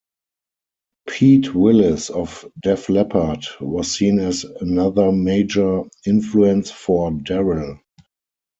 Pete Willis of Def Leppard was seen as another major influence for Darrell.